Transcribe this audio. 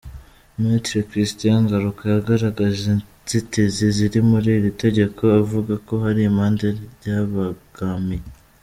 Maître Christian Ngaruka yagaragaje inzitizi ziri muri iri tegeko avuga ko hari impande ryabangamiye.